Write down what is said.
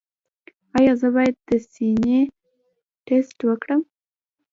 ایا زه باید د سینې ټسټ وکړم؟